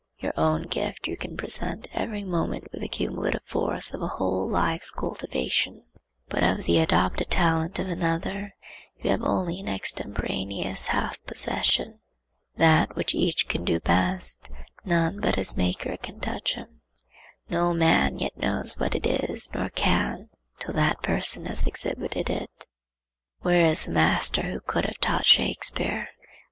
Your own gift you can present every moment with the cumulative force of a whole life's cultivation; but of the adopted talent of another you have only an extemporaneous half possession. That which each can do best, none but his Maker can teach him. No man yet knows what it is, nor can, till that person has exhibited it. Where is the master who could have taught Shakspeare?